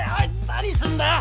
何すんだよ！